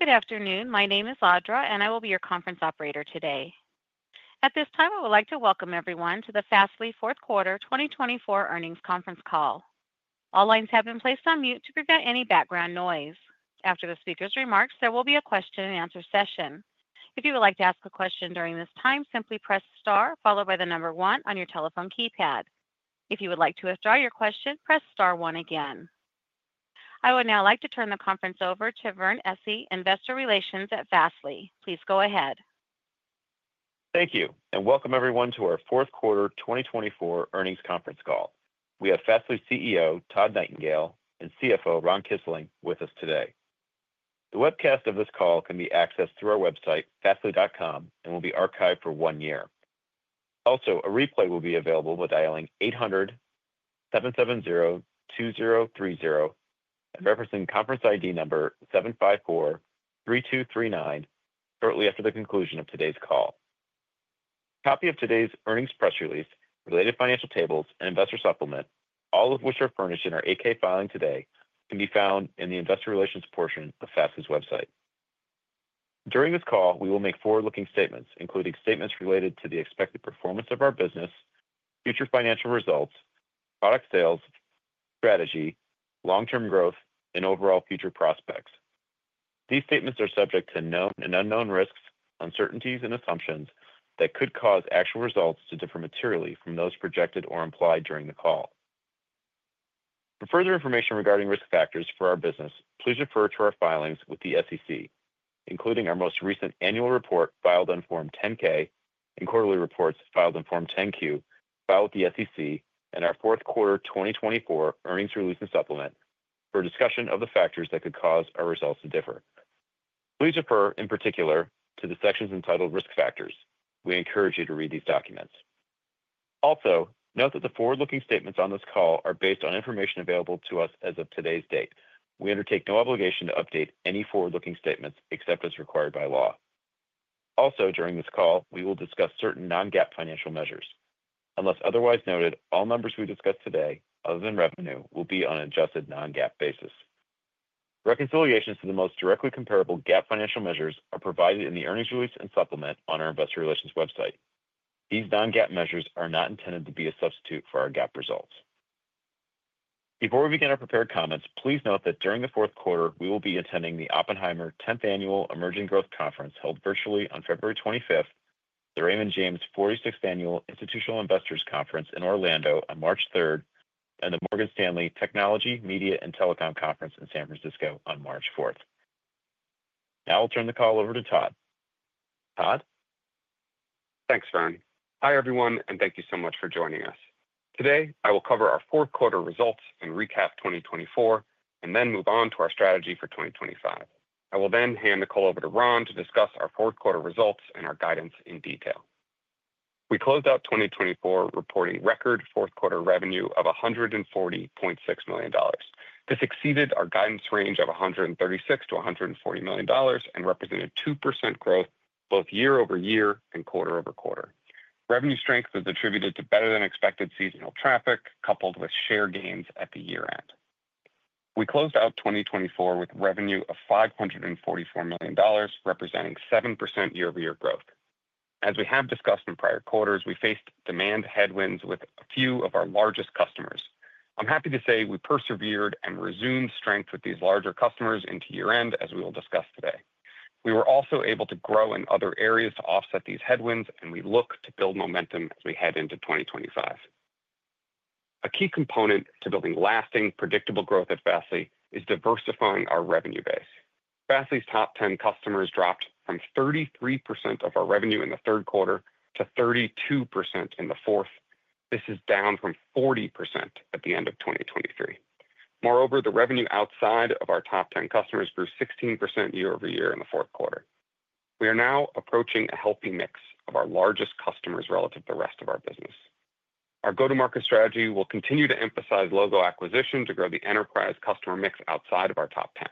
Good afternoon. My name is Audra, and I will be your conference operator today. At this time, I would like to welcome everyone to the Fastly Fourth Quarter 2024 Earnings conference call. All lines have been placed on mute to prevent any background noise. After the speaker's remarks, there will be a question-and-answer session. If you would like to ask a question during this time, simply press star, followed by the number one on your telephone keypad. If you would like to withdraw your question, press star one again. I would now like to turn the conference over to Vern Essi, Investor Relations at Fastly. Please go ahead. Thank you, and welcome everyone to our Fourth Quarter 2024 Earnings conference call. We have Fastly CEO Todd Nightingale and CFO Ron Kisling with us today. The webcast of this call can be accessed through our website, fastly.com, and will be archived for one year. Also, a replay will be available by dialing 800-770-2030 and referencing conference ID number 754-3239 shortly after the conclusion of today's call. A copy of today's earnings press release, related financial tables, and investor supplement, all of which are furnished in our 8-K filing today, can be found in the Investor Relations portion of Fastly's website. During this call, we will make forward-looking statements, including statements related to the expected performance of our business, future financial results, product sales, strategy, long-term growth, and overall future prospects. These statements are subject to known and unknown risks, uncertainties, and assumptions that could cause actual results to differ materially from those projected or implied during the call. For further information regarding risk factors for our business, please refer to our filings with the SEC, including our most recent annual report filed on Form 10-K and quarterly reports filed on Form 10-Q filed with the SEC, and our Fourth Quarter 2024 earnings release and supplement for discussion of the factors that could cause our results to differ. Please refer, in particular, to the sections entitled Risk Factors. We encourage you to read these documents. Also, note that the forward-looking statements on this call are based on information available to us as of today's date. We undertake no obligation to update any forward-looking statements except as required by law. Also, during this call, we will discuss certain non-GAAP financial measures. Unless otherwise noted, all numbers we discuss today, other than revenue, will be on an adjusted non-GAAP basis. Reconciliations to the most directly comparable GAAP financial measures are provided in the earnings release and supplement on our Investor Relations website. These non-GAAP measures are not intended to be a substitute for our GAAP results. Before we begin our prepared comments, please note that during the fourth quarter, we will be attending the Oppenheimer 10th Annual Emerging Growth Conference held virtually on February 25th, the Raymond James 46th Annual Institutional Investors Conference in Orlando on March 3rd, and the Morgan Stanley Technology, Media, and Telecom Conference in San Francisco on March 4th. Now I'll turn the call over to Todd. Todd? Thanks, Vern. Hi, everyone, and thank you so much for joining us. Today, I will cover our Fourth Quarter Results and recap 2024, and then move on to our strategy for 2025. I will then hand the call over to Ron to discuss our fourth quarter results and our guidance in detail. We closed out 2024 reporting record fourth quarter revenue of $140.6 million. This exceeded our guidance range of $136 million-$140 million and represented 2% growth both year-over-year and quarter-over-quarter. Revenue strength was attributed to better-than-expected seasonal CapEx coupled with share gains at the year-end. We closed out 2024 with revenue of $544 million, representing 7% year-over-year growth. As we have discussed in prior quarters, we faced demand headwinds with a few of our largest customers. I'm happy to say we persevered and resumed strength with these larger customers into year-end, as we will discuss today. We were also able to grow in other areas to offset these headwinds, and we look to build momentum as we head into 2025. A key component to building lasting, predictable growth at Fastly is diversifying our revenue base. Fastly's top 10 customers dropped from 33% of our revenue in the third quarter to 32% in the fourth. This is down from 40% at the end of 2023. Moreover, the revenue outside of our top 10 customers grew 16% year-over-year in the fourth quarter. We are now approaching a healthy mix of our largest customers relative to the rest of our business. Our go-to-market strategy will continue to emphasize logo acquisition to grow the enterprise customer mix outside of our top 10.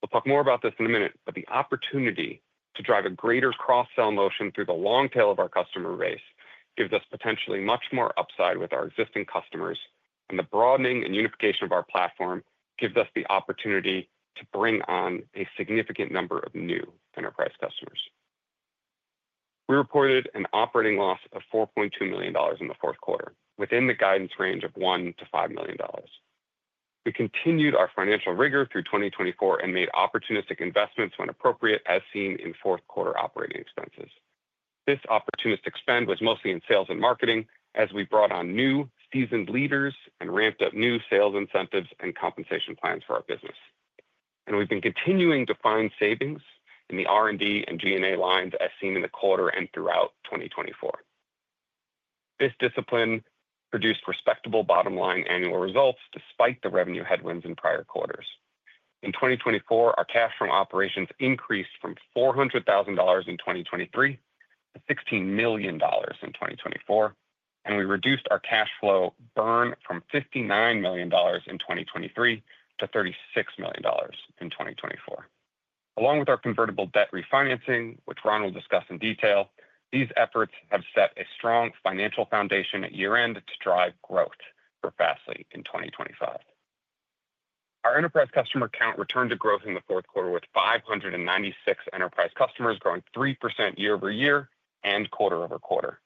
We'll talk more about this in a minute, but the opportunity to drive a greater cross-sell motion through the long tail of our customer base gives us potentially much more upside with our existing customers, and the broadening and unification of our platform gives us the opportunity to bring on a significant number of new enterprise customers. We reported an operating loss of $4.2 million in the fourth quarter, within the guidance range of $1 million-$5 million. We continued our financial rigor through 2024 and made opportunistic investments when appropriate, as seen in fourth quarter operating expenses. This opportunistic spend was mostly in sales and marketing, as we brought on new seasoned leaders and ramped up new sales incentives and compensation plans for our business, and we've been continuing to find savings in the R&D and G&A lines, as seen in the quarter and throughout 2024. This discipline produced respectable bottom-line annual results despite the revenue headwinds in prior quarters. In 2024, our cash from operations increased from $400,000 in 2023 to $16 million in 2024, and we reduced our cash flow burn from $59 million in 2023 to $36 million in 2024. Along with our convertible debt refinancing, which Ron will discuss in detail, these efforts have set a strong financial foundation at year-end to drive growth for Fastly in 2025. Our enterprise customer count returned to growth in the fourth quarter, with 596 enterprise customers growing 3% year-over-year and quarter over quarter.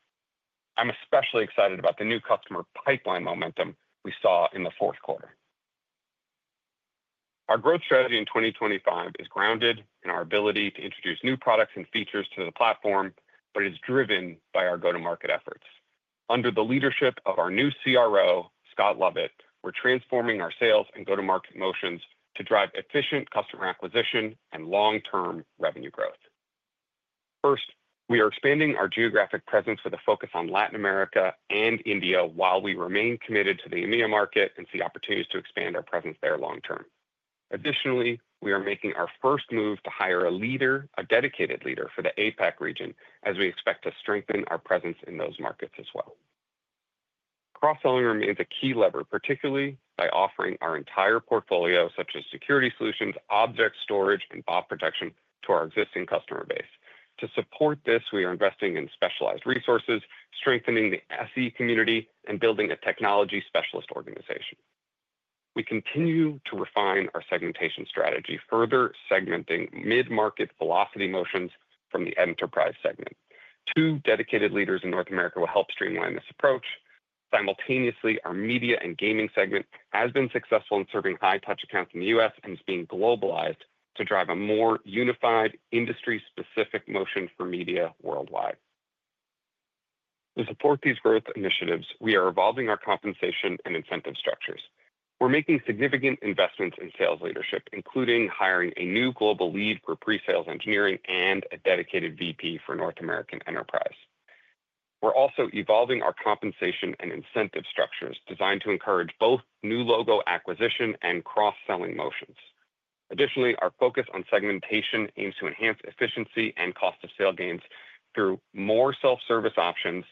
I'm especially excited about the new customer pipeline momentum we saw in the fourth quarter. Our growth strategy in 2025 is grounded in our ability to introduce new products and features to the platform, but it is driven by our go-to-market efforts. Under the leadership of our new CRO, Scott Lovett, we're transforming our sales and go-to-market motions to drive efficient customer acquisition and long-term revenue growth. First, we are expanding our geographic presence with a focus on Latin America and India while we remain committed to the EMEA market and see opportunities to expand our presence there long-term. Additionally, we are making our first move to hire a leader, a dedicated leader for the APAC region, as we expect to strengthen our presence in those markets as well. Cross-selling remains a key lever, particularly by offering our entire portfolio, such as security solutions, Object Storage, and bot protection, to our existing customer base. To support this, we are investing in specialized resources, strengthening the SE community, and building a technology specialist organization. We continue to refine our segmentation strategy, further segmenting mid-market velocity motions from the enterprise segment. Two dedicated leaders in North America will help streamline this approach. Simultaneously, our media and gaming segment has been successful in serving high-touch accounts in the U.S. and is being globalized to drive a more unified, industry-specific motion for media worldwide. To support these growth initiatives, we are evolving our compensation and incentive structures. We're making significant investments in sales leadership, including hiring a new global lead for pre-sales engineering and a dedicated VP for North American enterprise. We're also evolving our compensation and incentive structures designed to encourage both new logo acquisition and cross-selling motions. Additionally, our focus on segmentation aims to enhance efficiency and cost-of-sale gains through more self-service options,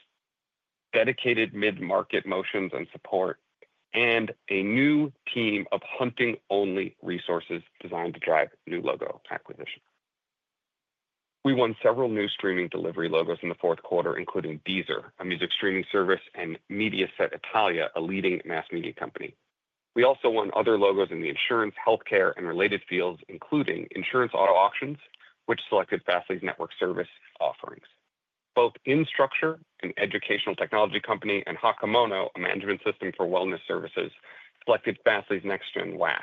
dedicated mid-market motions and support, and a new team of hunting-only resources designed to drive new logo acquisition. We won several new streaming delivery logos in the fourth quarter, including Deezer, a music streaming service, and Mediaset Italia, a leading mass media company. We also won other logos in the insurance, healthcare, and related fields, including Insurance Auto Auctions, which selected Fastly's network service offerings. Both Instructure, an educational technology company, and Hacomono, a management system for wellness services, selected Fastly's Next-Gen WAF.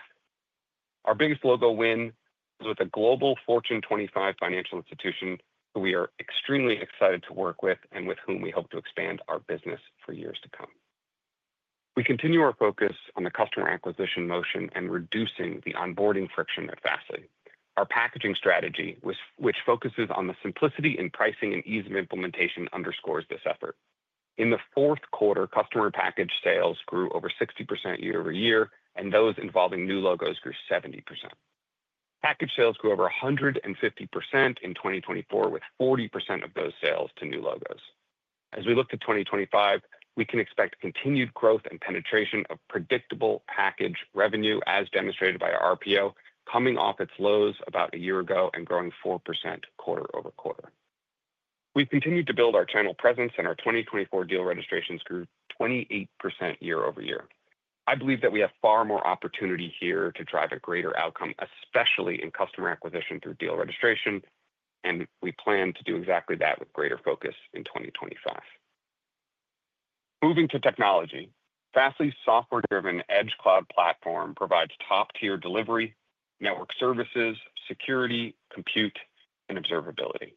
Our biggest logo win was with a global Fortune 25 financial institution who we are extremely excited to work with and with whom we hope to expand our business for years to come. We continue our focus on the customer acquisition motion and reducing the onboarding friction at Fastly. Our packaging strategy, which focuses on the simplicity in pricing and ease of implementation, underscores this effort. In the fourth quarter, customer package sales grew over 60% year-over-year, and those involving new logos grew 70%. Package sales grew over 150% in 2024, with 40% of those sales to new logos. As we look to 2025, we can expect continued growth and penetration of predictable package revenue, as demonstrated by our RPO, coming off its lows about a year ago and growing 4% quarter over quarter. We've continued to build our channel presence, and our 2024 deal registrations grew 28% year-over-year. I believe that we have far more opportunity here to drive a greater outcome, especially in customer acquisition through deal registration, and we plan to do exactly that with greater focus in 2025. Moving to technology, Fastly's software-driven edge cloud platform provides top-tier delivery, network services, security, compute, and observability.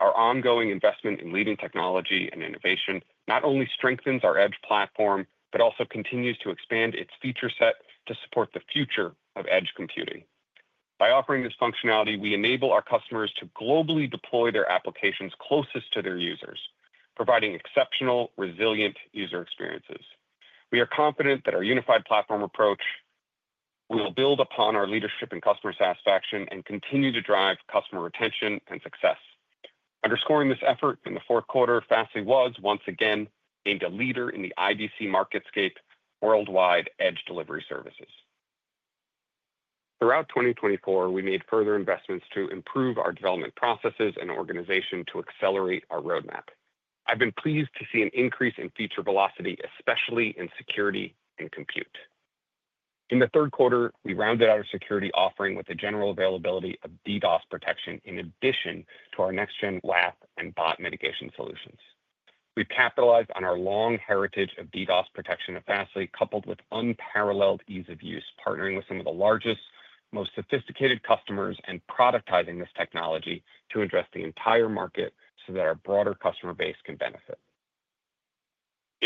Our ongoing investment in leading technology and innovation not only strengthens our edge platform, but also continues to expand its feature set to support the future of edge computing. By offering this functionality, we enable our customers to globally deploy their applications closest to their users, providing exceptional, resilient user experiences. We are confident that our unified platform approach will build upon our leadership and customer satisfaction and continue to drive customer retention and success. Underscoring this effort in the fourth quarter, Fastly was once again named a leader in the IDC MarketScape worldwide edge delivery services. Throughout 2024, we made further investments to improve our development processes and organization to accelerate our roadmap. I've been pleased to see an increase in feature velocity, especially in security and compute. In the third quarter, we rounded out our security offering with a general availability of DDoS protection in addition to our Next-Gen WAF and bot mitigation solutions. We've capitalized on our long heritage of DDoS protection at Fastly, coupled with unparalleled ease of use, partnering with some of the largest, most sophisticated customers and productizing this technology to address the entire market so that our broader customer base can benefit.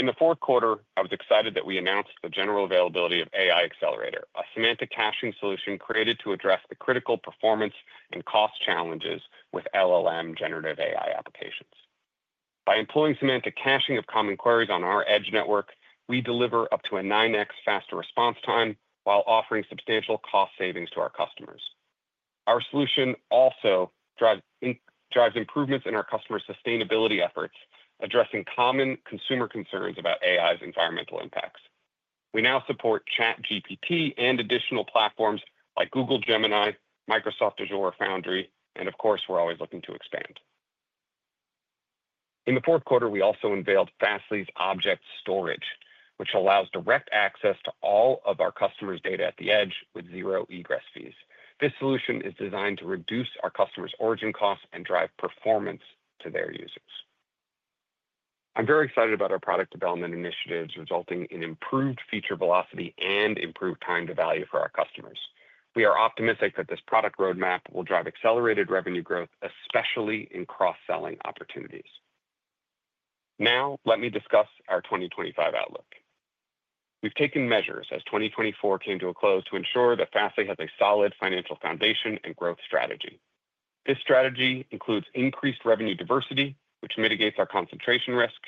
In the fourth quarter, I was excited that we announced the general availability of AI Accelerator, a semantic caching solution created to address the critical performance and cost challenges with LLM generative AI applications. By employing semantic caching of common queries on our edge network, we deliver up to a 9x faster response time while offering substantial cost savings to our customers. Our solution also drives improvements in our customer sustainability efforts, addressing common consumer concerns about AI's environmental impacts. We now support ChatGPT and additional platforms like Google Gemini, Microsoft Azure AI Foundry, and of course, we're always looking to expand. In the fourth quarter, we also unveiled Fastly's Object Storage, which allows direct access to all of our customers' data at the edge with zero egress fees. This solution is designed to reduce our customers' origin costs and drive performance to their users. I'm very excited about our product development initiatives resulting in improved feature velocity and improved time to value for our customers. We are optimistic that this product roadmap will drive accelerated revenue growth, especially in cross-selling opportunities. Now, let me discuss our 2025 outlook. We've taken measures as 2024 came to a close to ensure that Fastly has a solid financial foundation and growth strategy. This strategy includes increased revenue diversity, which mitigates our concentration risk,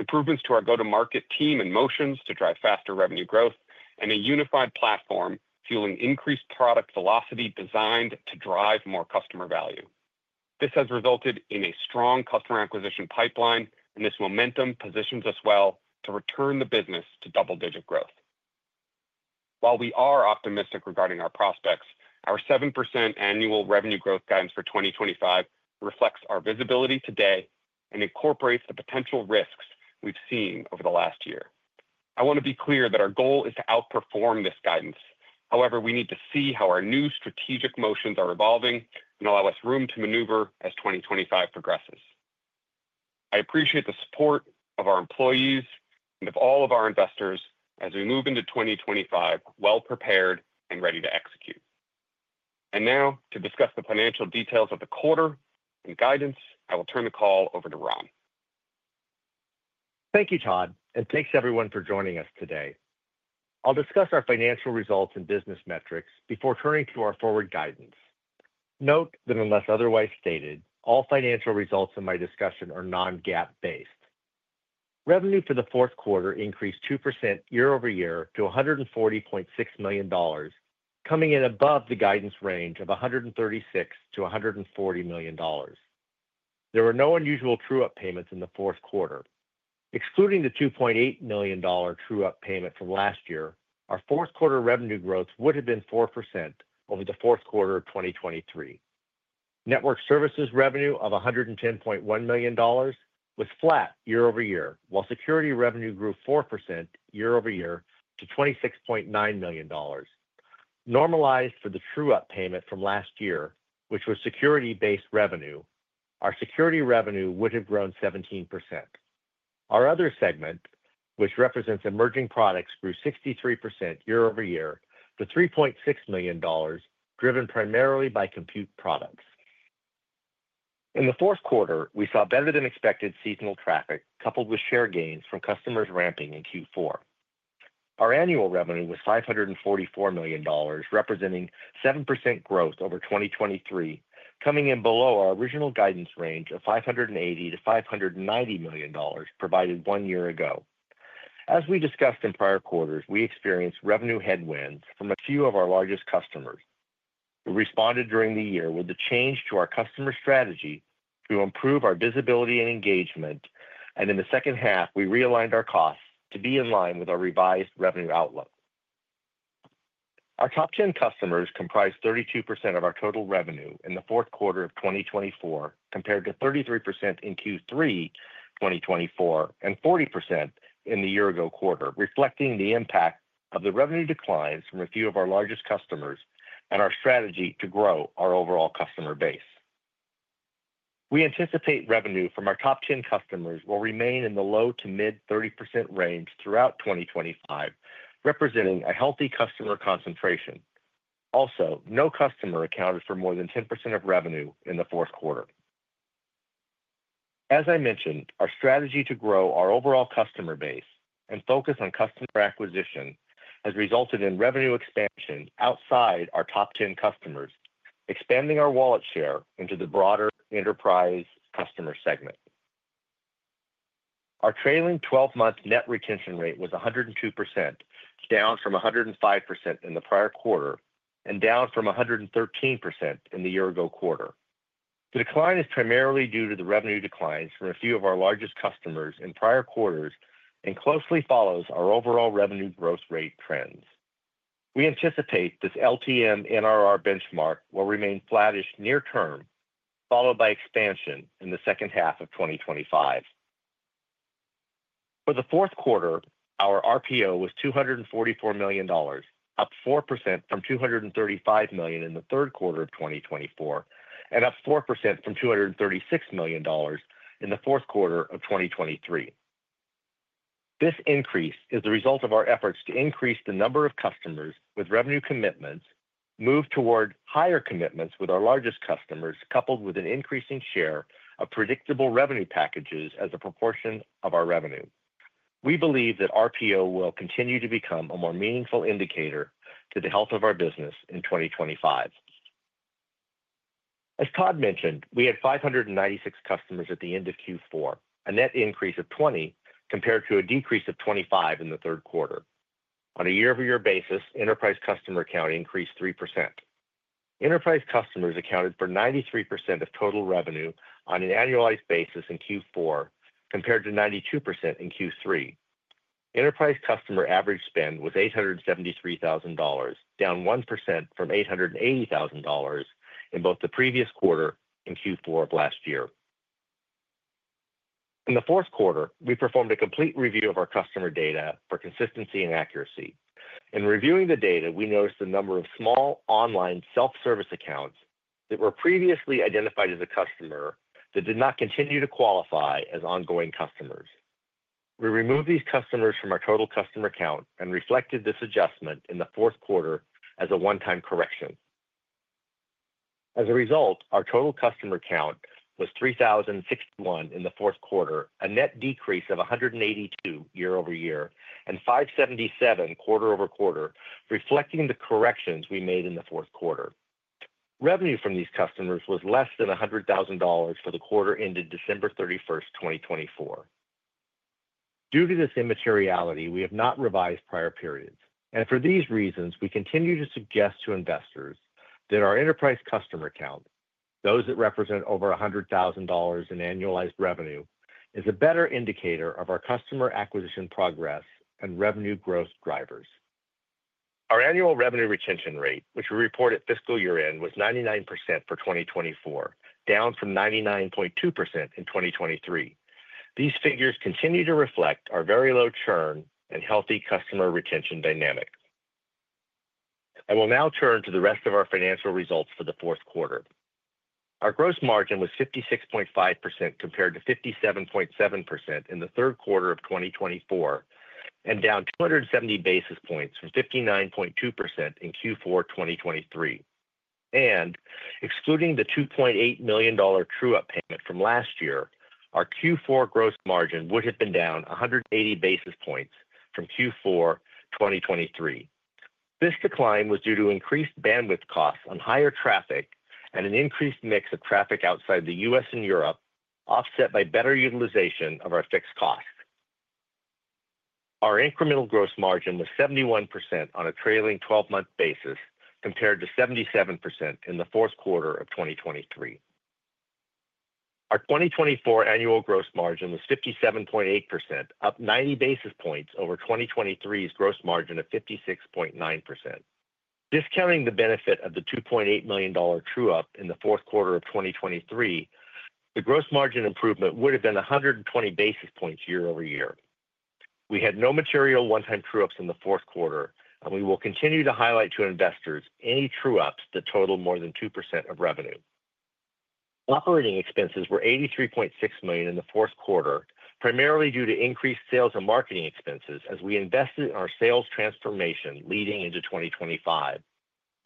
improvements to our go-to-market team and motions to drive faster revenue growth, and a unified platform fueling increased product velocity designed to drive more customer value. This has resulted in a strong customer acquisition pipeline, and this momentum positions us well to return the business to double-digit growth. While we are optimistic regarding our prospects, our 7% annual revenue growth guidance for 2025 reflects our visibility today and incorporates the potential risks we've seen over the last year. I want to be clear that our goal is to outperform this guidance. However, we need to see how our new strategic motions are evolving and allow us room to maneuver as 2025 progresses. I appreciate the support of our employees and of all of our investors as we move into 2025 well-prepared and ready to execute. And now, to discuss the financial details of the quarter and guidance, I will turn the call over to Ron. Thank you, Todd. And thanks, everyone, for joining us today. I'll discuss our financial results and business metrics before turning to our forward guidance. Note that unless otherwise stated, all financial results in my discussion are non-GAAP based. Revenue for the fourth quarter increased 2% year-over-year to $140.6 million, coming in above the guidance range of $136 million-$140 million. There were no unusual true-up payments in the fourth quarter. Excluding the $2.8 million true-up payment from last year, our fourth quarter revenue growth would have been 4% over the fourth quarter of 2023. Network services revenue of $110.1 million was flat year-over-year, while security revenue grew 4% year-over-year to $26.9 million. Normalized for the true-up payment from last year, which was security-based revenue, our security revenue would have grown 17%. Our other segment, which represents emerging products, grew 63% year-over-year to $3.6 million, driven primarily by compute products. In the fourth quarter, we saw better-than-expected seasonal traffic coupled with share gains from customers ramping in Q4. Our annual revenue was $544 million, representing 7% growth over 2023, coming in below our original guidance range of $580 million-$590 million provided one year ago. As we discussed in prior quarters, we experienced revenue headwinds from a few of our largest customers. We responded during the year with a change to our customer strategy to improve our visibility and engagement, and in the second half, we realigned our costs to be in line with our revised revenue outlook. Our top 10 customers comprised 32% of our total revenue in the fourth quarter of 2024, compared to 33% in Q3 2024 and 40% in the year-ago quarter, reflecting the impact of the revenue declines from a few of our largest customers and our strategy to grow our overall customer base. We anticipate revenue from our top 10 customers will remain in the low-to-mid 30% range throughout 2025, representing a healthy customer concentration. Also, no customer accounted for more than 10% of revenue in the fourth quarter. As I mentioned, our strategy to grow our overall customer base and focus on customer acquisition has resulted in revenue expansion outside our top 10 customers, expanding our wallet share into the broader enterprise customer segment. Our trailing 12-month net retention rate was 102%, down from 105% in the prior quarter and down from 113% in the year-ago quarter. The decline is primarily due to the revenue declines from a few of our largest customers in prior quarters and closely follows our overall revenue growth rate trends. We anticipate this LTM NRR benchmark will remain flattish near term, followed by expansion in the second half of 2025. For the fourth quarter, our RPO was $244 million, up 4% from $235 million in the third quarter of 2024 and up 4% from $236 million in the fourth quarter of 2023. This increase is the result of our efforts to increase the number of customers with revenue commitments, move toward higher commitments with our largest customers, coupled with an increasing share of predictable revenue packages as a proportion of our revenue. We believe that RPO will continue to become a more meaningful indicator to the health of our business in 2025. As Todd mentioned, we had 596 customers at the end of Q4, a net increase of 20% compared to a decrease of 25% in the third quarter. On a year-over-year basis, enterprise customer count increased 3%. Enterprise customers accounted for 93% of total revenue on an annualized basis in Q4, compared to 92% in Q3. Enterprise customer average spend was $873,000, down 1% from $880,000 in both the previous quarter and Q4 of last year. In the fourth quarter, we performed a complete review of our customer data for consistency and accuracy. In reviewing the data, we noticed the number of small online self-service accounts that were previously identified as a customer that did not continue to qualify as ongoing customers. We removed these customers from our total customer count and reflected this adjustment in the fourth quarter as a one-time correction. As a result, our total customer count was 3,061 in the fourth quarter, a net decrease of 182 year-over-year and 577 quarter-over-quarter, reflecting the corrections we made in the fourth quarter. Revenue from these customers was less than $100,000 for the quarter ended December 31st, 2024. Due to this immateriality, we have not revised prior periods. And for these reasons, we continue to suggest to investors that our enterprise customer count, those that represent over $100,000 in annualized revenue, is a better indicator of our customer acquisition progress and revenue growth drivers. Our annual revenue retention rate, which we report at fiscal year-end, was 99% for 2024, down from 99.2% in 2023. These figures continue to reflect our very low churn and healthy customer retention dynamic. I will now turn to the rest of our financial results for the fourth quarter. Our gross margin was 56.5% compared to 57.7% in the third quarter of 2024, and down 270 basis points from 59.2% in Q4 2023. And excluding the $2.8 million true-up payment from last year, our Q4 gross margin would have been down 180 basis points from Q4 2023. This decline was due to increased bandwidth costs on higher traffic and an increased mix of traffic outside the U.S. and Europe, offset by better utilization of our fixed costs. Our incremental gross margin was 71% on a trailing 12-month basis compared to 77% in the fourth quarter of 2023. Our 2024 annual gross margin was 57.8%, up 90 basis points over 2023's gross margin of 56.9%. Discounting the benefit of the $2.8 million true-up in the fourth quarter of 2023, the gross margin improvement would have been 120 basis points year-over-year. We had no material one-time true-ups in the fourth quarter, and we will continue to highlight to investors any true-ups that total more than 2% of revenue. Operating expenses were $83.6 million in the fourth quarter, primarily due to increased sales and marketing expenses as we invested in our sales transformation leading into 2025.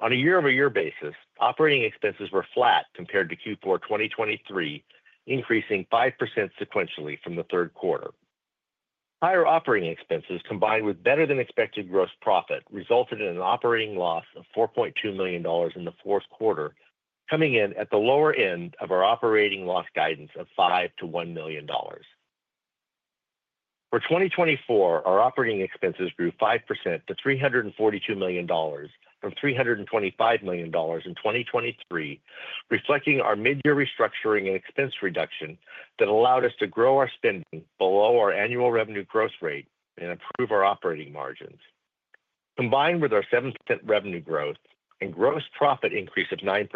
On a year-over-year basis, operating expenses were flat compared to Q4 2023, increasing 5% sequentially from the third quarter. Higher operating expenses combined with better-than-expected gross profit resulted in an operating loss of $4.2 million in the fourth quarter, coming in at the lower end of our operating loss guidance of $5 million-$1 million. For 2024, our operating expenses grew 5% to $342 million from $325 million in 2023, reflecting our mid-year restructuring and expense reduction that allowed us to grow our spending below our annual revenue growth rate and improve our operating margins. Combined with our 7% revenue growth and gross profit increase of 9%,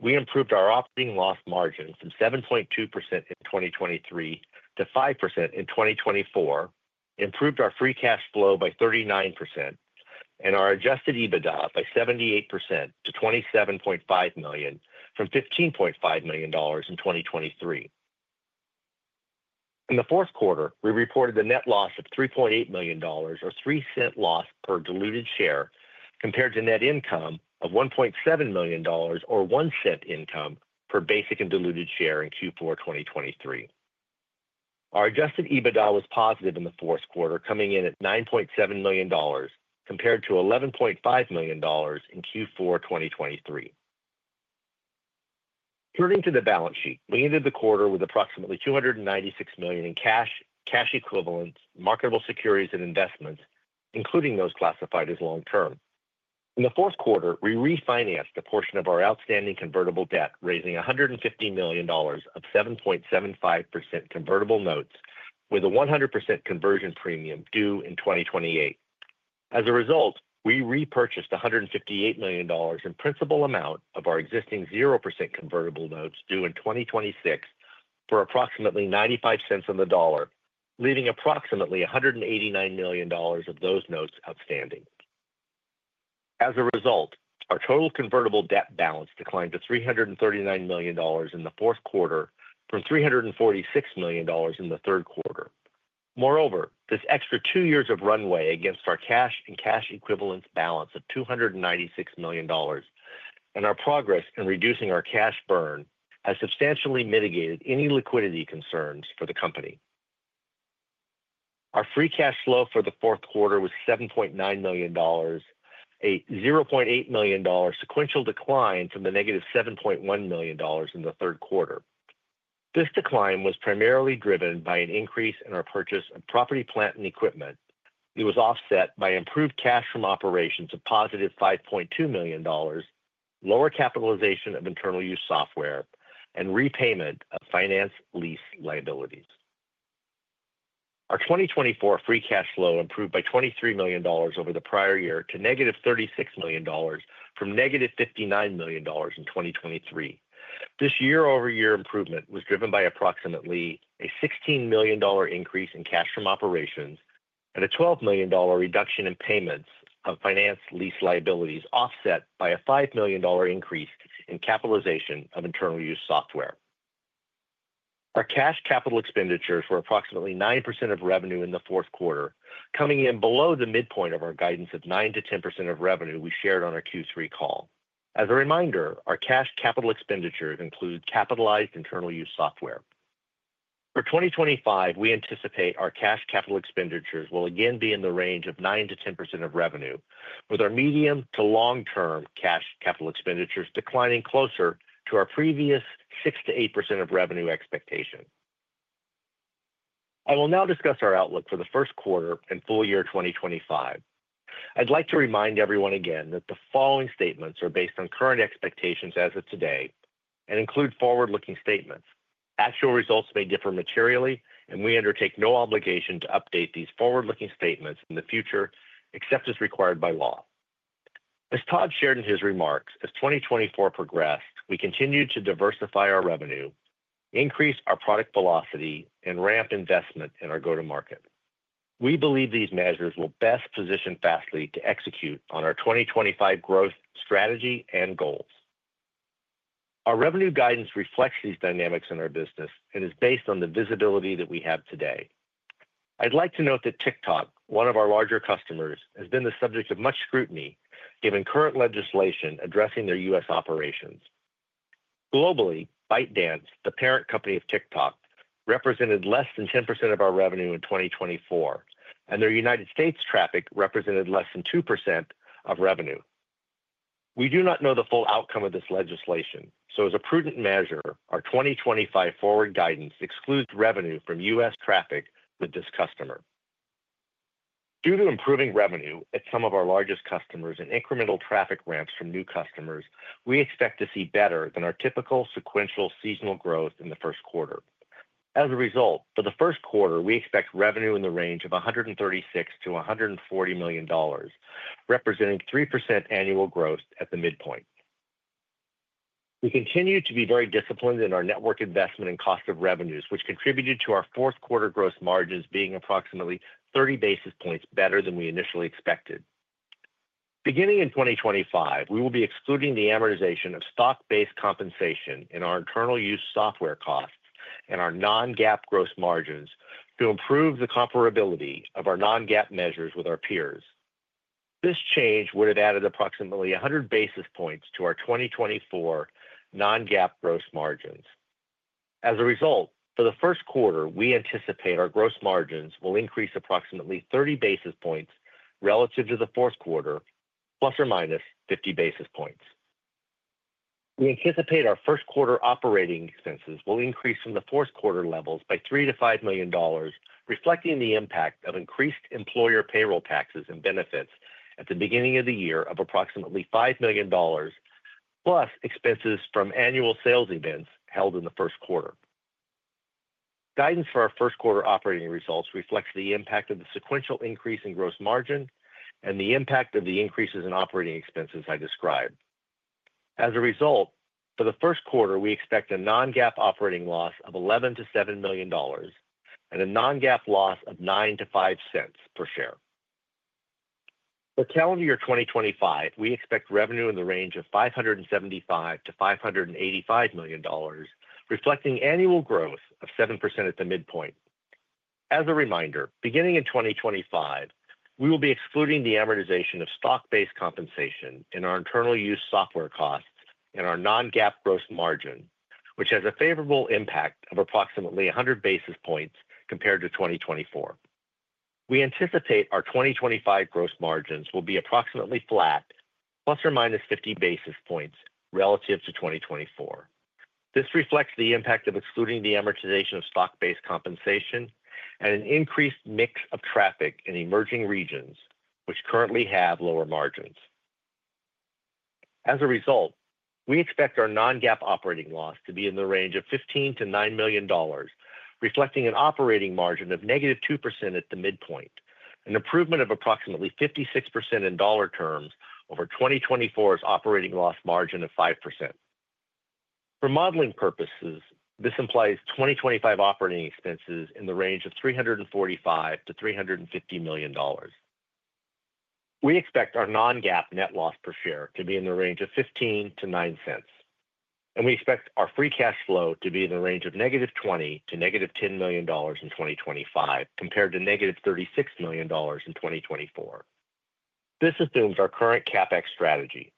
we improved our operating loss margin from 7.2% in 2023 to 5% in 2024, improved our free cash flow by 39%, and our adjusted EBITDA by 78% to $27.5 million from $15.5 million in 2023. In the fourth quarter, we reported a net loss of $3.8 million, or $0.03 loss per diluted share, compared to net income of $1.7 million, or $0.01 income per basic and diluted share in Q4 2023. Our adjusted EBITDA was positive in the fourth quarter, coming in at $9.7 million compared to $11.5 million in Q4 2023. Turning to the balance sheet, we ended the quarter with approximately $296 million in cash, cash equivalents, marketable securities, and investments, including those classified as long-term. In the fourth quarter, we refinanced a portion of our outstanding convertible debt, raising $150 million of 7.75% convertible notes with a 100% conversion premium due in 2028. As a result, we repurchased $158 million in principal amount of our existing 0% convertible notes due in 2026 for approximately $0.95 cents on the dollar, leaving approximately $189 million of those notes outstanding. As a result, our total convertible debt balance declined to $339 million in the fourth quarter from $346 million in the third quarter. Moreover, this extra two years of runway against our cash and cash equivalents balance of $296 million and our progress in reducing our cash burn has substantially mitigated any liquidity concerns for the company. Our free cash flow for the fourth quarter was $7.9 million, a $0.8 million sequential decline from the -$7.1 million in the third quarter. This decline was primarily driven by an increase in our purchase of property, plant, and equipment. It was offset by improved cash from operations of +$5.2 million, lower capitalization of internal use software, and repayment of finance lease liabilities. Our 2024 free cash flow improved by $23 million over the prior year to -$36 million from -$59 million in 2023. This year-over-year improvement was driven by approximately a $16 million increase in cash from operations and a $12 million reduction in payments of finance lease liabilities, offset by a $5 million increase in capitalization of internal use software. Our cash capital expenditures were approximately 9% of revenue in the fourth quarter, coming in below the midpoint of our guidance of 9%-10% of revenue we shared on our Q3 call. As a reminder, our cash capital expenditures include capitalized internal use software. For 2025, we anticipate our cash capital expenditures will again be in the range of 9%-10% of revenue, with our medium to long-term cash capital expenditures declining closer to our previous 6%-8% of revenue expectation. I will now discuss our outlook for the first quarter and full year 2025. I'd like to remind everyone again that the following statements are based on current expectations as of today and include forward-looking statements. Actual results may differ materially, and we undertake no obligation to update these forward-looking statements in the future, except as required by law. As Todd shared in his remarks, as 2024 progressed, we continued to diversify our revenue, increase our product velocity, and ramp investment in our go-to-market. We believe these measures will best position Fastly to execute on our 2025 growth strategy and goals. Our revenue guidance reflects these dynamics in our business and is based on the visibility that we have today. I'd like to note that TikTok, one of our larger customers, has been the subject of much scrutiny given current legislation addressing their U.S. operations. Globally, ByteDance, the parent company of TikTok, represented less than 10% of our revenue in 2024, and their United States traffic represented less than 2% of revenue. We do not know the full outcome of this legislation, so as a prudent measure, our 2025 forward guidance excludes revenue from U.S. traffic with this customer. Due to improving revenue at some of our largest customers and incremental traffic ramps from new customers, we expect to see better than our typical sequential seasonal growth in the first quarter. As a result, for the first quarter, we expect revenue in the range of $136 million-$140 million, representing 3% annual growth at the midpoint. We continue to be very disciplined in our network investment and cost of revenues, which contributed to our fourth quarter gross margins being approximately 30 basis points better than we initially expected. Beginning in 2025, we will be excluding the amortization of stock-based compensation in our internal use software costs and our non-GAAP gross margins to improve the comparability of our non-GAAP measures with our peers. This change would have added approximately 100 basis points to our 2024 non-GAAP gross margins. As a result, for the first quarter, we anticipate our gross margins will increase approximately 30 basis points relative to the fourth quarter, ±50 basis points. We anticipate our first quarter operating expenses will increase from the fourth quarter levels by $3 million-$5 million, reflecting the impact of increased employer payroll taxes and benefits at the beginning of the year of approximately $5 million, plus expenses from annual sales events held in the first quarter. Guidance for our first quarter operating results reflects the impact of the sequential increase in gross margin and the impact of the increases in operating expenses I described. As a result, for the first quarter, we expect a non-GAAP operating loss of $11 million-$7 million and a non-GAAP loss of $0.09-$0.05 per share. For calendar year 2025, we expect revenue in the range of $575 million-$585 million, reflecting annual growth of 7% at the midpoint. As a reminder, beginning in 2025, we will be excluding the amortization of stock-based compensation in our internal use software costs and our non-GAAP gross margin, which has a favorable impact of approximately 100 basis points compared to 2024. We anticipate our 2025 gross margins will be approximately flat, plus or minus 50 basis points relative to 2024. This reflects the impact of excluding the amortization of stock-based compensation and an increased mix of traffic in emerging regions, which currently have lower margins. As a result, we expect our non-GAAP operating loss to be in the range of $15 million-$9 million, reflecting an operating margin of -2% at the midpoint, an improvement of approximately 56% in dollar terms over 2024's operating loss margin of 5%. For modeling purposes, this implies 2025 operating expenses in the range of $345 million-$350 million. We expect our non-GAAP net loss per share to be in the range of $15-$0.09, and we expect our free cash flow to be in the range of -$20 to -$10 million in 2025 compared to -$36 million in 2024. This assumes our current CapEx strategy.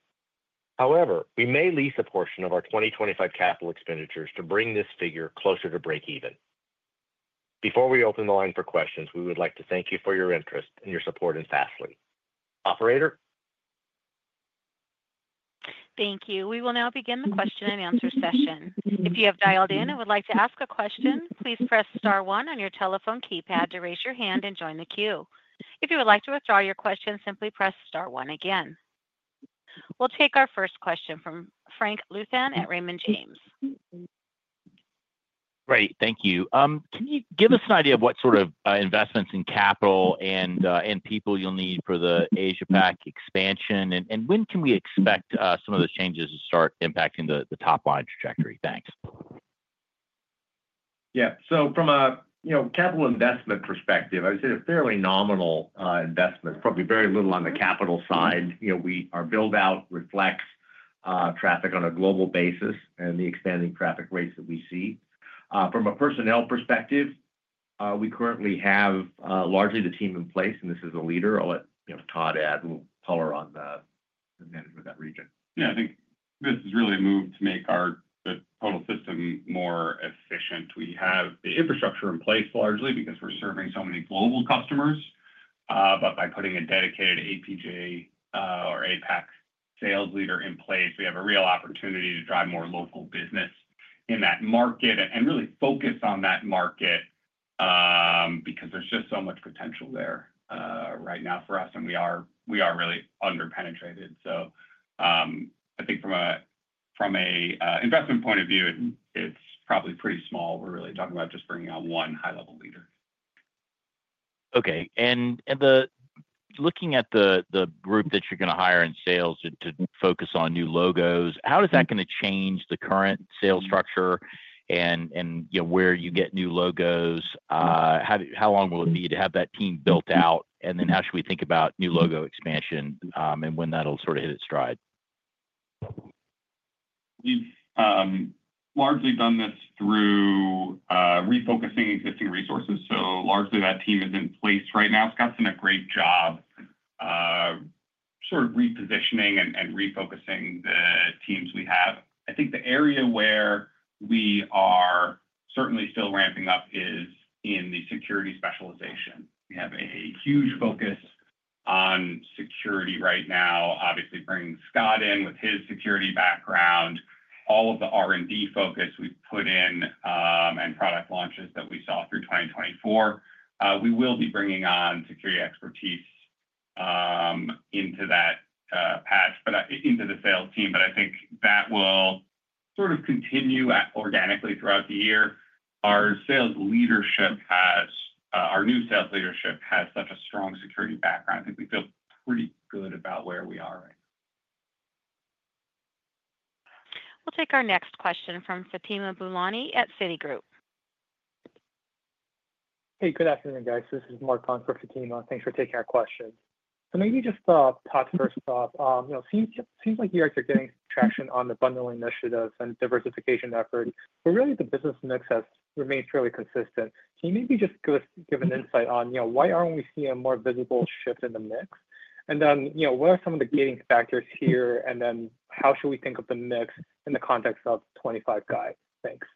However, we may lease a portion of our 2025 capital expenditures to bring this figure closer to break-even. Before we open the line for questions, we would like to thank you for your interest and your support in Fastly. Operator? Thank you. We will now begin the question and answer session. If you have dialed in and would like to ask a question, please press star one on your telephone keypad to raise your hand and join the queue. If you would like to withdraw your question, simply press star one again. We'll take our first question from Frank Louthan at Raymond James. Great. Thank you. Can you give us an idea of what sort of investments in capital and people you'll need for the Asia-Pac expansion, and when can we expect some of those changes to start impacting the top line trajectory? Thanks. Yeah. So from a capital investment perspective, I would say a fairly nominal investment, probably very little on the capital side. Our build-out reflects traffic on a global basis and the expanding traffic rates that we see. From a personnel perspective, we currently have largely the team in place, and this is a leader. I'll let Todd add a little color on the management of that region. Yeah. I think this is really a move to make our total system more efficient. We have the infrastructure in place largely because we're serving so many global customers. But by putting a dedicated APJ or APAC sales leader in place, we have a real opportunity to drive more local business in that market and really focus on that market because there's just so much potential there right now for us, and we are really underpenetrated. So I think from an investment point of view, it's probably pretty small. We're really talking about just bringing on one high-level leader. Okay. And looking at the group that you're going to hire in sales to focus on new logos, how is that going to change the current sales structure and where you get new logos? How long will it be to have that team built out? And then how should we think about new logo expansion and when that'll sort of hit its stride? We've largely done this through refocusing existing resources. So largely, that team is in place right now. Scott's done a great job sort of repositioning and refocusing the teams we have. I think the area where we are certainly still ramping up is in the security specialization. We have a huge focus on security right now, obviously bringing Scott in with his security background, all of the R&D focus we've put in, and product launches that we saw through 2024. We will be bringing on security expertise into that path, into the sales team, but I think that will sort of continue organically throughout the year. Our sales leadership, our new sales leadership, has such a strong security background. I think we feel pretty good about where we are right now. We'll take our next question from Fatima Boolani at Citigroup. Hey, good afternoon, guys. This is Mark on for Fatima. Thanks for taking our question. So maybe just to talk first off, it seems like you guys are getting traction on the bundling initiatives and diversification effort, but really the business mix has remained fairly consistent. Can you maybe just give us an insight on why aren't we seeing a more visible shift in the mix? And then what are some of the gating factors here, and then how should we think of the mix in the context of 2025? Thanks.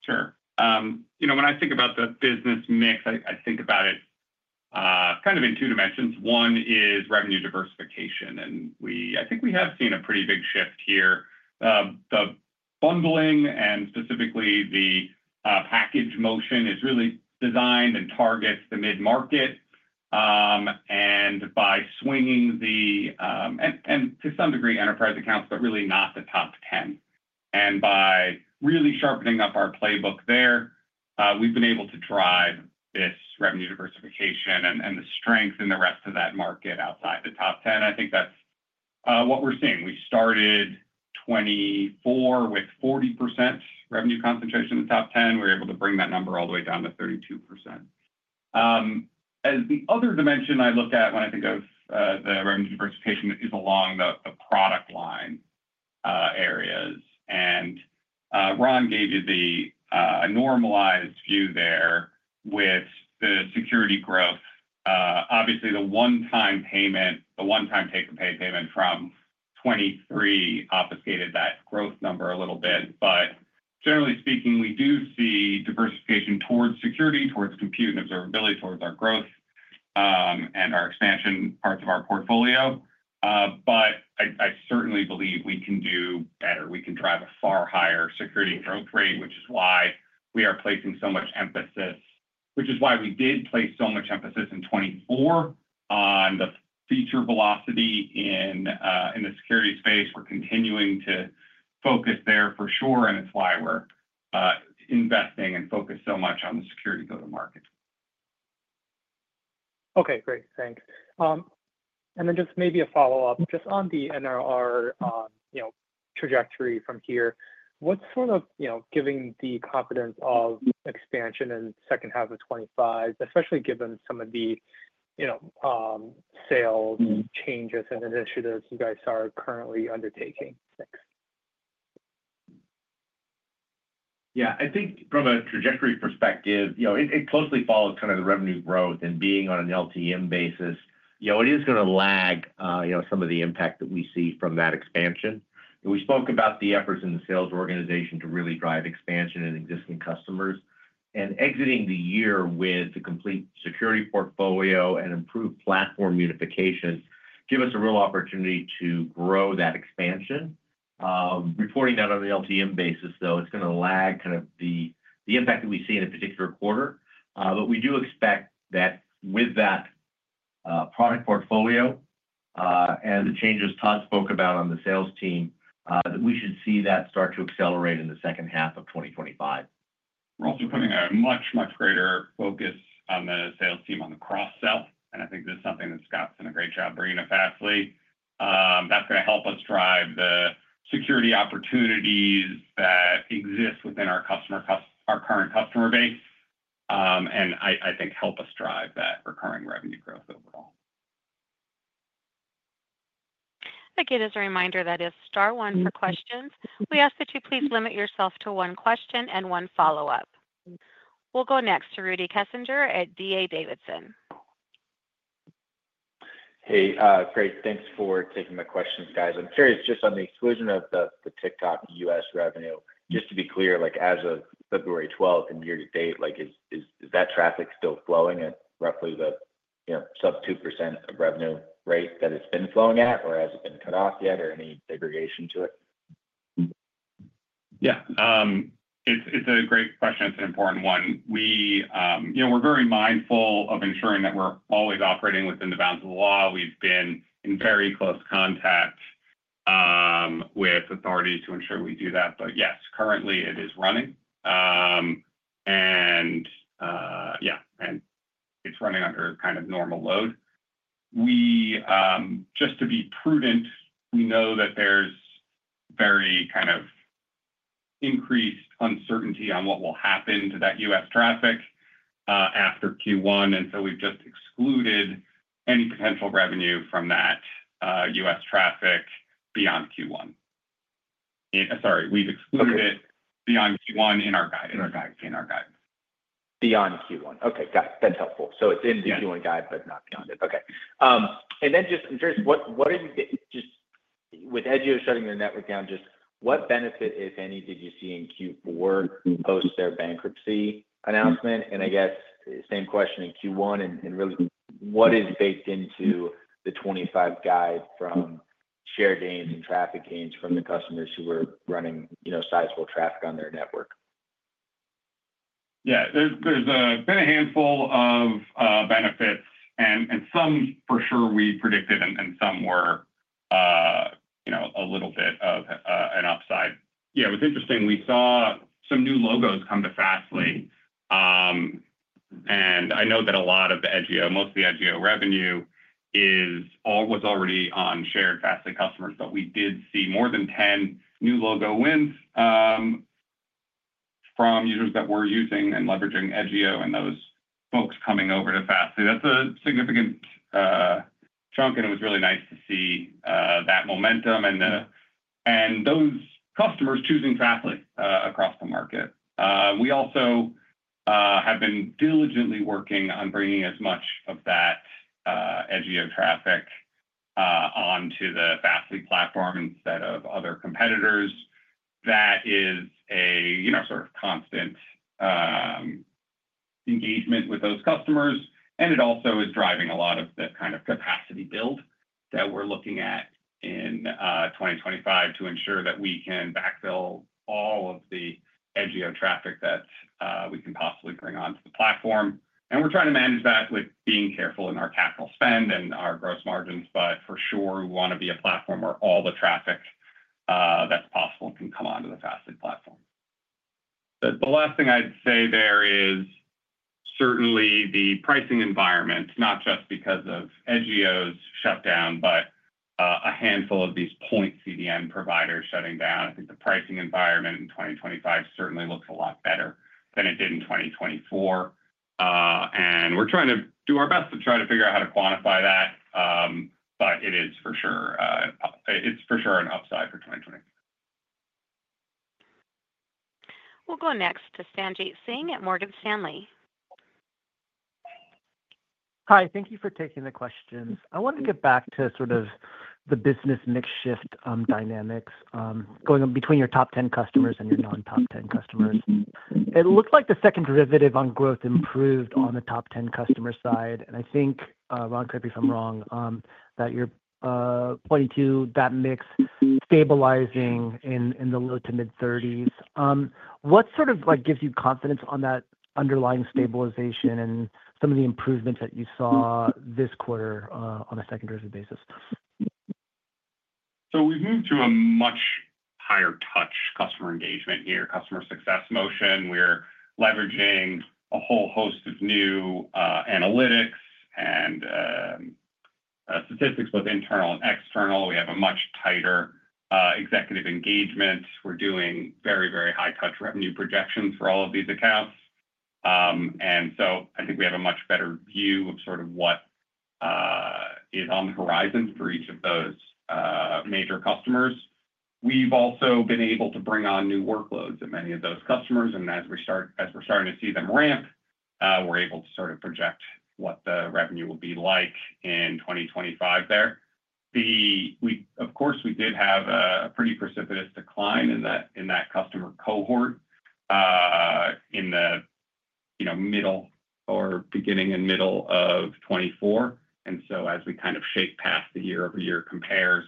Sure. When I think about the business mix, I think about it kind of in two dimensions. One is revenue diversification, and I think we have seen a pretty big shift here. The bundling, and specifically the package motion, is really designed and targets the mid-market. And by swinging the, and to some degree, enterprise accounts, but really not the top 10. And by really sharpening up our playbook there, we've been able to drive this revenue diversification and the strength in the rest of that market outside the top 10. I think that's what we're seeing. We started 2024 with 40% revenue concentration in the top 10. We were able to bring that number all the way down to 32%. As the other dimension I look at when I think of the revenue diversification is along the product line areas, and Ron gave you the normalized view there with the security growth. Obviously, the one-time payment, the one-time pay-to-pay payment from 2023 obfuscated that growth number a little bit, but generally speaking, we do see diversification towards security, towards compute and observability, towards our growth and our expansion parts of our portfolio, but I certainly believe we can do better. We can drive a far higher security growth rate, which is why we are placing so much emphasis, which is why we did place so much emphasis in 2024 on the feature velocity in the security space. We're continuing to focus there for sure, and it's why we're investing and focusing so much on the security go-to-market. Okay. Great. Thanks. And then just maybe a follow-up. Just on the NRR trajectory from here, what's sort of giving the confidence of expansion in the second half of 2025, especially given some of the sales changes and initiatives you guys are currently undertaking? Thanks. Yeah. I think from a trajectory perspective, it closely follows kind of the revenue growth and being on an LTM basis. It is going to lag some of the impact that we see from that expansion. We spoke about the efforts in the sales organization to really drive expansion in existing customers. And exiting the year with the complete security portfolio and improved platform unification gives us a real opportunity to grow that expansion. Reporting that on the LTM basis, though, it's going to lag kind of the impact that we see in a particular quarter. But we do expect that with that product portfolio and the changes Todd spoke about on the sales team, that we should see that start to accelerate in the second half of 2025. We're also putting a much, much greater focus on the sales team on the cross-sell. And I think this is something that Scott's done a great job bringing to Fastly. That's going to help us drive the security opportunities that exist within our current customer base and I think help us drive that recurring revenue growth overall. I think it is a reminder that is star one for questions. We ask that you please limit yourself to one question and one follow-up. We'll go next to Rudy Kessinger at D.A. Davidson. Hey, great. Thanks for taking my questions, guys. I'm curious just on the exclusion of the TikTok U.S. revenue. Just to be clear, as of February 12th and year to date, is that traffic still flowing at roughly the sub 2% of revenue rate that it's been flowing at, or has it been cut off yet, or any segregation to it? Yeah. It's a great question. It's an important one. We're very mindful of ensuring that we're always operating within the bounds of the law. We've been in very close contact with authorities to ensure we do that. But yes, currently, it is running. And yeah, and it's running under kind of normal load. Just to be prudent, we know that there's very kind of increased uncertainty on what will happen to that U.S. traffic after Q1. And so we've just excluded any potential revenue from that U.S. traffic beyond Q1. Sorry. We've excluded it beyond Q1 in our guidance. In our guidance. Beyond Q1. Okay. Got it. That's helpful. So it's in the Q1 guide, but not beyond it. Okay. And then just, I'm curious. What are you just with Edgio shutting their network down, just what benefit, if any, did you see in Q4 post their bankruptcy announcement? And I guess same question in Q1. And really, what is baked into the 25 guide from share gains and traffic gains from the customers who were running sizable traffic on their network? Yeah. There's been a handful of benefits, and some for sure we predicted, and some were a little bit of an upside. Yeah. It was interesting. We saw some new logos come to Fastly. I know that a lot of the Edgio, most of the Edgio revenue was already on shared Fastly customers, but we did see more than 10 new logo wins from users that were using and leveraging Edgio and those folks coming over to Fastly. That's a significant chunk, and it was really nice to see that momentum and those customers choosing Fastly across the market. We also have been diligently working on bringing as much of that Edgio traffic onto the Fastly platform instead of other competitors. That is a sort of constant engagement with those customers, and it also is driving a lot of the kind of capacity build that we're looking at in 2025 to ensure that we can backfill all of the Edgio traffic that we can possibly bring onto the platform. We're trying to manage that with being careful in our capital spend and our gross margins, but for sure, we want to be a platform where all the traffic that's possible can come onto the Fastly platform. The last thing I'd say there is certainly the pricing environment, not just because of Edgio's shutdown, but a handful of these point CDN providers shutting down. I think the pricing environment in 2025 certainly looks a lot better than it did in 2024. We're trying to do our best to try to figure out how to quantify that, but it is for sure an upside for 2024. We'll go next to Sanjit Singh at Morgan Stanley. Hi. Thank you for taking the questions. I wanted to get back to sort of the business mix shift dynamics going between your top 10 customers and your non-top 10 customers. It looks like the second derivative on growth improved on the top 10 customer side. And I think, Ron, correct me if I'm wrong, that you're pointing to that mix stabilizing in the low-to-mid-30s. What sort of gives you confidence on that underlying stabilization and some of the improvements that you saw this quarter on a secondary basis? So we've moved to a much higher touch customer engagement here, customer success motion. We're leveraging a whole host of new analytics and statistics, both internal and external. We have a much tighter executive engagement. We're doing very, very high-touch revenue projections for all of these accounts. And so I think we have a much better view of sort of what is on the horizon for each of those major customers. We've also been able to bring on new workloads at many of those customers. As we're starting to see them ramp, we're able to sort of project what the revenue will be like in 2025 there. Of course, we did have a pretty precipitous decline in that customer cohort in the middle or beginning and middle of 2024. And so as we kind of shake past the year-over-year compares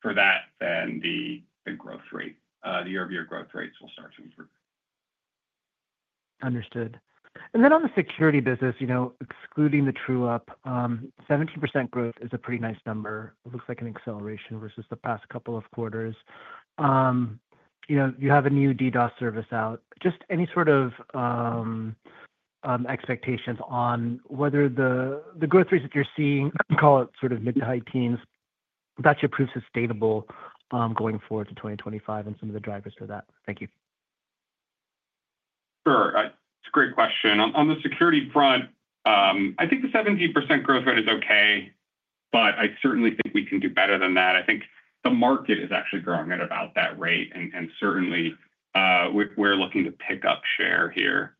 for that, then the year-over-year growth rates will start to improve. Understood. And then on the security business, excluding the true-up, 17% growth is a pretty nice number. It looks like an acceleration versus the past couple of quarters. You have a new DDoS service out. Just any sort of expectations on whether the growth rates that you're seeing, call it sort of mid-to-high teens, that should prove sustainable going forward to 2025 and some of the drivers for that? Thank you. Sure. It's a great question. On the security front, I think the 17% growth rate is okay, but I certainly think we can do better than that. I think the market is actually growing at about that rate, and certainly, we're looking to pick up share here.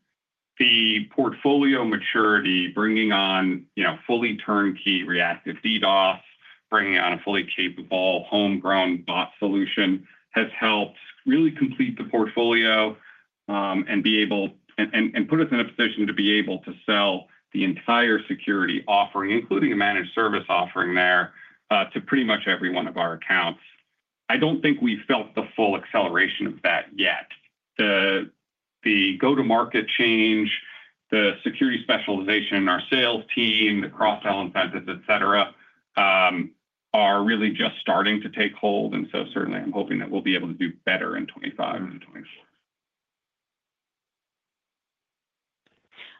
The portfolio maturity, bringing on fully turnkey reactive DDoS, bringing on a fully capable homegrown bot solution has helped really complete the portfolio and put us in a position to be able to sell the entire security offering, including a managed service offering there to pretty much every one of our accounts. I don't think we felt the full acceleration of that yet. The go-to-market change, the security specialization in our sales team, the cross-sell incentives, etc., are really just starting to take hold, and so certainly, I'm hoping that we'll be able to do better in 2025 and 2024.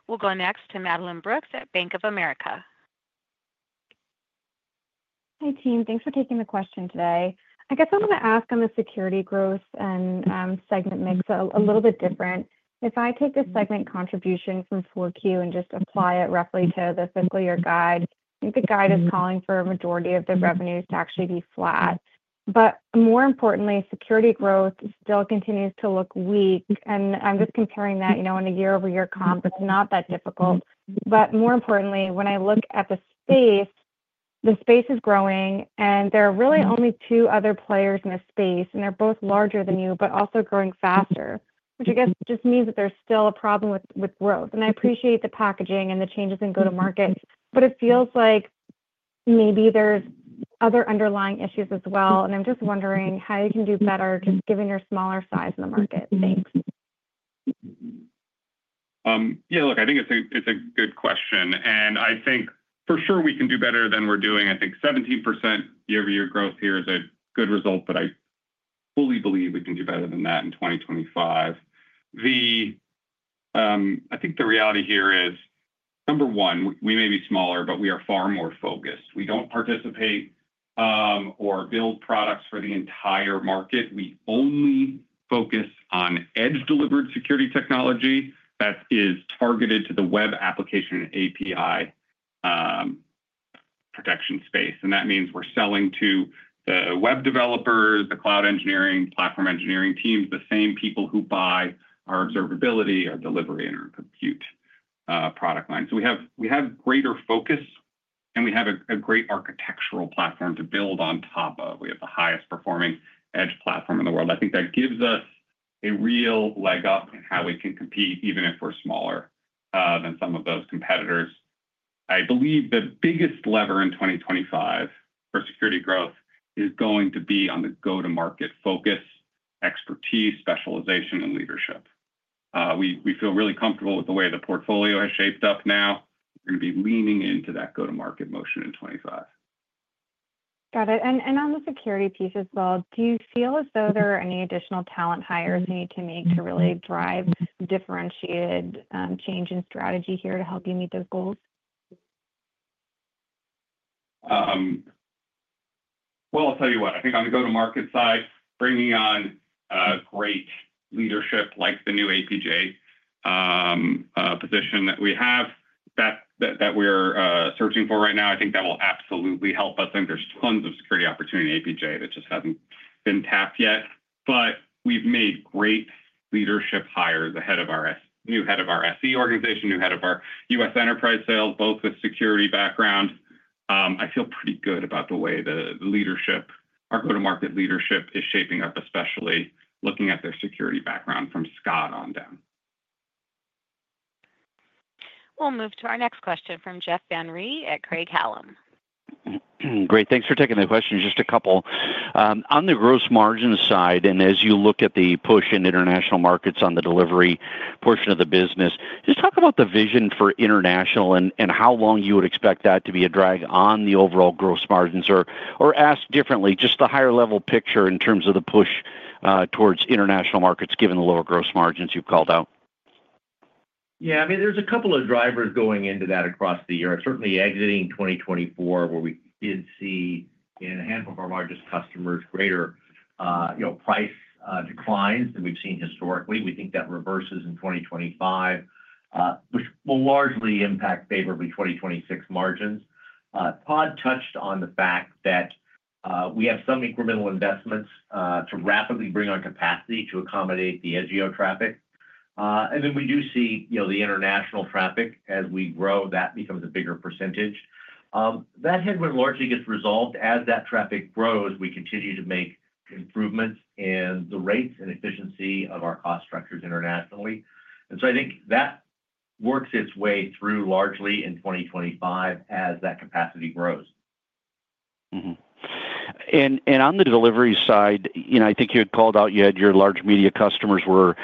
We'll go next to Madeline Brooks at Bank of America. Hi, team. Thanks for taking the question today. I guess I'm going to ask on the security growth and segment mix a little bit different. If I take the segment contribution from 4Q and just apply it roughly to the fiscal year guide, I think the guide is calling for a majority of the revenues to actually be flat. But more importantly, security growth still continues to look weak. And I'm just comparing that on a year-over-year comp. It's not that difficult. But more importantly, when I look at the space, the space is growing, and there are really only two other players in the space, and they're both larger than you, but also growing faster, which I guess just means that there's still a problem with growth. I appreciate the packaging and the changes in go-to-market, but it feels like maybe there's other underlying issues as well. And I'm just wondering how you can do better just given your smaller size in the market. Thanks. Yeah. Look, I think it's a good question. And I think for sure we can do better than we're doing. I think 17% year-over-year growth here is a good result, but I fully believe we can do better than that in 2025. I think the reality here is, number one, we may be smaller, but we are far more focused. We don't participate or build products for the entire market. We only focus on edge-delivered security technology that is targeted to the web application and API protection space. That means we're selling to the web developers, the cloud engineering, platform engineering teams, the same people who buy our observability, our delivery, and our compute product line. So we have greater focus, and we have a great architectural platform to build on top of. We have the highest-performing edge platform in the world. I think that gives us a real leg up in how we can compete, even if we're smaller than some of those competitors. I believe the biggest lever in 2025 for security growth is going to be on the go-to-market focus, expertise, specialization, and leadership. We feel really comfortable with the way the portfolio has shaped up now. We're going to be leaning into that go-to-market motion in 2025. Got it. On the security piece as well, do you feel as though there are any additional talent hires you need to make to really drive differentiated change in strategy here to help you meet those goals? Well, I'll tell you what. I think on the go-to-market side, bringing on great leadership like the new APJ position that we have that we're searching for right now, I think that will absolutely help us. I think there's tons of security opportunity in APJ that just hasn't been tapped yet. But we've made great leadership hires ahead of our new head of our SE organization, new head of our U.S. enterprise sales, both with security background. I feel pretty good about the way the leadership, our go-to-market leadership, is shaping up, especially looking at their security background from Scott on down. We'll move to our next question from Jeff Van Rhee at Craig-Hallum. Great. Thanks for taking the question. Just a couple. On the gross margins side, and as you look at the push in international markets on the delivery portion of the business, just talk about the vision for international and how long you would expect that to be a drag on the overall gross margins, or asked differently, just the higher-level picture in terms of the push towards international markets given the lower gross margins you've called out. Yeah. I mean, there's a couple of drivers going into that across the year. Certainly, exiting 2024, where we did see in a handful of our largest customers greater price declines than we've seen historically. We think that reverses in 2025, which will largely impact favorably 2026 margins. Todd touched on the fact that we have some incremental investments to rapidly bring our capacity to accommodate the Edgio traffic. Then we do see the international traffic as we grow, that becomes a bigger percentage. That headwind largely gets resolved. As that traffic grows, we continue to make improvements in the rates and efficiency of our cost structures internationally. So I think that works its way through largely in 2025 as that capacity grows. On the delivery side, I think you had called out you had your large media customers were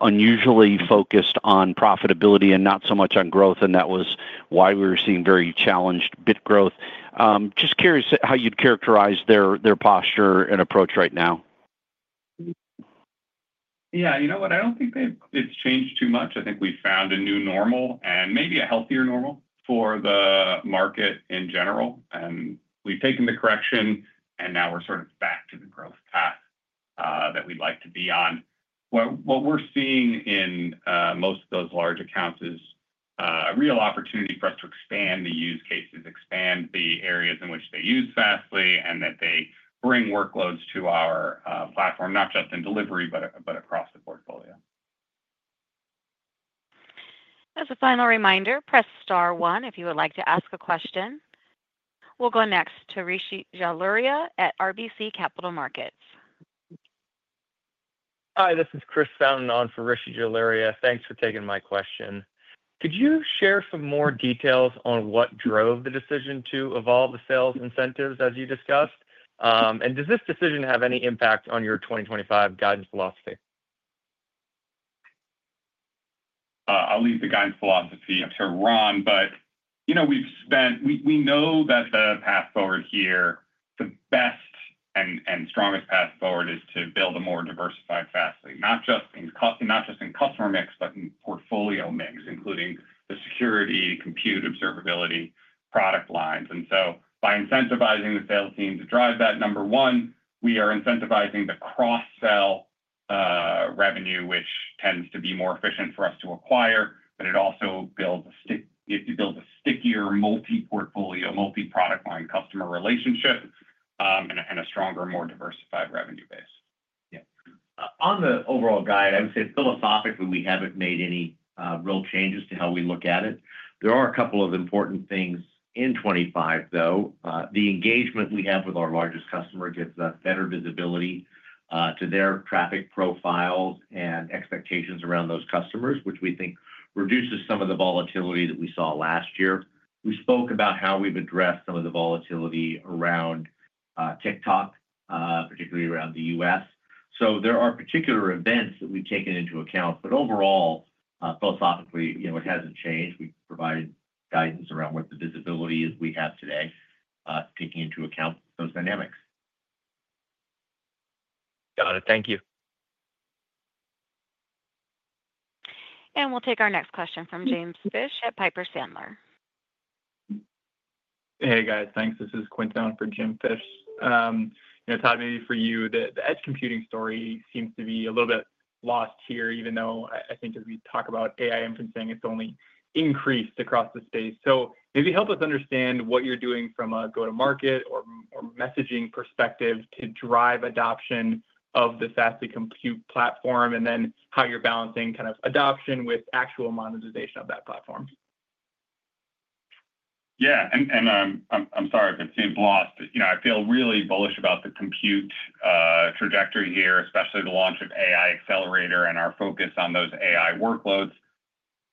unusually focused on profitability and not so much on growth, and that was why we were seeing very challenged big growth. Just curious how you'd characterize their posture and approach right now. Yeah. You know what? I don't think it's changed too much. I think we found a new normal and maybe a healthier normal for the market in general, and we've taken the correction, and now we're sort of back to the growth path that we'd like to be on. What we're seeing in most of those large accounts is real opportunity for us to expand the use cases, expand the areas in which they use Fastly, and that they bring workloads to our platform, not just in delivery, but across the portfolio. As a final reminder, press star one if you would like to ask a question. We'll go next to Rishi Jaluria at RBC Capital Markets. Hi. This is Chris Calnan on for Rishi Jaluria. Thanks for taking my question. Could you share some more details on what drove the decision to evolve the sales incentives as you discussed? Does this decision have any impact on your 2025 guidance philosophy? I'll leave the guidance philosophy up to Ron, but we know that the path forward here, the best and strongest path forward is to build a more diversified Fastly, not just in customer mix, but in portfolio mix, including the security, compute, observability product lines. So by incentivizing the sales team to drive that, number one, we are incentivizing the cross-sell revenue, which tends to be more efficient for us to acquire, but it also builds a stickier multi-portfolio, multi-product line customer relationship and a stronger, more diversified revenue base. Yeah. On the overall guide, I would say philosophically, we haven't made any real changes to how we look at it. There are a couple of important things in 2025, though. The engagement we have with our largest customer gives us better visibility to their traffic profiles and expectations around those customers, which we think reduces some of the volatility that we saw last year. We spoke about how we've addressed some of the volatility around TikTok, particularly around the U.S. So there are particular events that we've taken into account. But overall, philosophically, it hasn't changed. We provide guidance around what the visibility is we have today, taking into account those dynamics. Got it. Thank you. And we'll take our next question from James Fish at Piper Sandler. Hey, guys. Thanks. This is Quinton on for James Fish. Todd, maybe for you, the edge computing story seems to be a little bit lost here, even though I think as we talk about AI inferencing, it's only increased across the space. So maybe help us understand what you're doing from a go-to-market or messaging perspective to drive adoption of the Fastly Compute platform, and then how you're balancing kind of adoption with actual monetization of that platform. Yeah. And I'm sorry if it seems lost, but I feel really bullish about the compute trajectory here, especially the launch of AI Accelerator and our focus on those AI workloads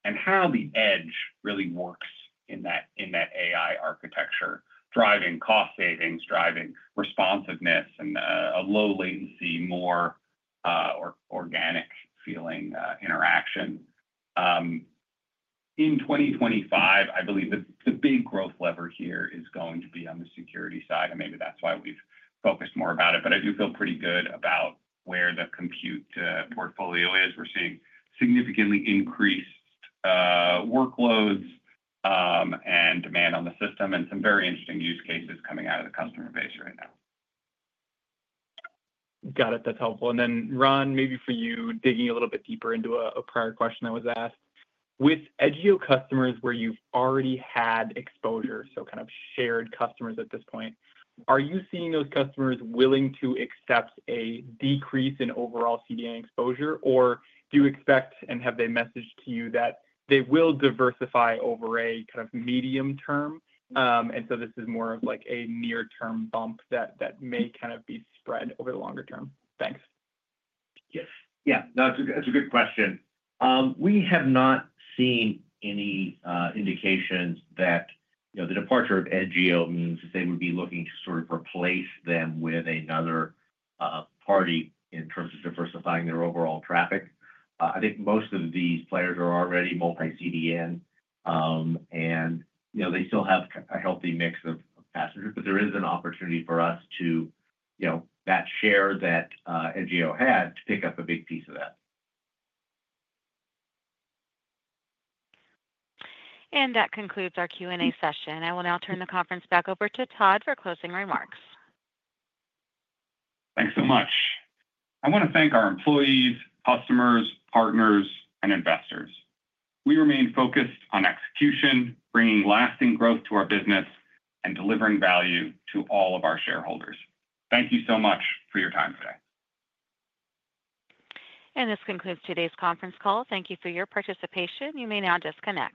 and how the edge really works in that AI architecture, driving cost savings, driving responsiveness, and a low-latency, more organic feeling interaction. In 2025, I believe the big growth lever here is going to be on the security side, and maybe that's why we've focused more about it. But I do feel pretty good about where the compute portfolio is. We're seeing significantly increased workloads and demand on the system and some very interesting use cases coming out of the customer base right now. Got it. That's helpful. And then, Ron, maybe for you, digging a little bit deeper into a prior question that was asked. With Edgio customers where you've already had exposure, so kind of shared customers at this point, are you seeing those customers willing to accept a decrease in overall CDN exposure, or do you expect and have they messaged to you that they will diversify over a kind of medium term? And so this is more of like a near-term bump that may kind of be spread over the longer term. Thanks. Yes. Yeah. No, it's a good question. We have not seen any indications that the departure of Edgio means that they would be looking to sort of replace them with another party in terms of diversifying their overall traffic. I think most of these players are already multi-CDN, and they still have a healthy mix of Fastly, but there is an opportunity for us to take that share that Edgio had to pick up a big piece of that. And that concludes our Q&A session. I will now turn the conference back over to Todd for closing remarks. Thanks so much. I want to thank our employees, customers, partners, and investors. We remain focused on execution, bringing lasting growth to our business, and delivering value to all of our shareholders. Thank you so much for your time today. And this concludes today's conference call. Thank you for your participation. You may now disconnect.